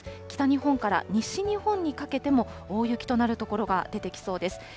北日本から西日本にかけても大雪となる所が出てきそうです。